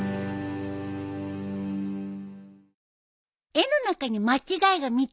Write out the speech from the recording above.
絵の中に間違いが３つあるよ。